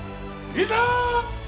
いざ！